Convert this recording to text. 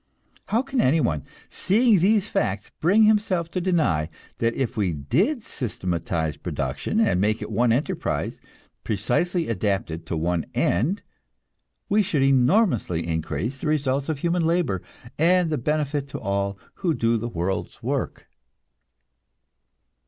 How can anyone, seeing these facts, bring himself to deny that if we did systematize production and make it one enterprise, precisely adapted to one end, we should enormously increase the results of human labor, and the benefit to all who do the world's work?